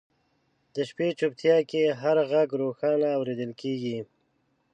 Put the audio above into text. د شپې چوپتیا کې هر ږغ روښانه اورېدل کېږي.